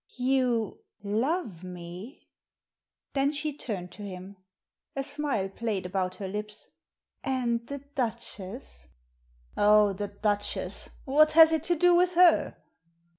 "You — love me?" Then she turned to him. A smile played about her lips. "And the Duchess ?"" Oh, the Duchess ! what has it to do with her